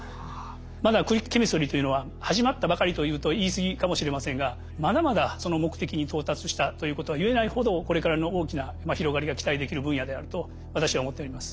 まだクリックケミストリーというのは始まったばかりと言うと言いすぎかもしれませんがまだまだその目的に到達したということは言えないほどこれからの大きな広がりが期待できる分野であると私は思っております。